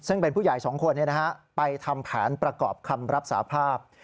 ซึ่งเป็นผู้ใหญ่๒คนไปทำแผนประกอบคำรับสาภาพ